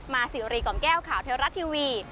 มาสิริก่อมแก้วข่าวเทวรัตน์ทีวี